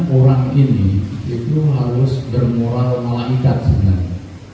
orang ini itu harus bermoral malaikat sebenarnya